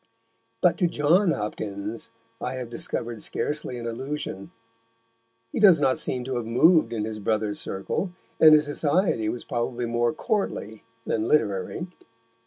But to John Hopkins I have discovered scarcely an allusion. He does not seem to have moved in his brother's circle, and his society was probably more courtly than literary.